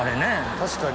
確かに。